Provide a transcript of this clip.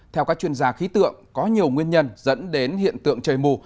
theo các chuyên gia khí tượng có nhiều nguyên nhân dẫn đến hiện tượng trời mù